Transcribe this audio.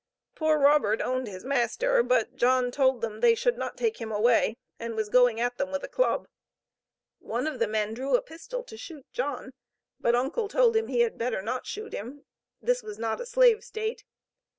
Poor Robert owned his master, but John told them they should not take him away, and was going at them with a club. One of the men drew a pistol to shoot John, but uncle told him he had better not shoot him; this was not a slave State.